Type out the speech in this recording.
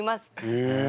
へえ。